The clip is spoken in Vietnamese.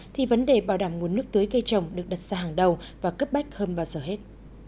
thì vấn đề bảo đảm nguồn nước tưới cây trồng được đặt ra hàng đầu và cấp bách hơn bao giờ hết